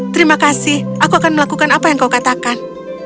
terima kasih aku akan melakukan apa yang kau katakan